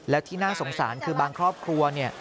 แล้วที่น่าสงสารคือบางครอบครัวเนี่ย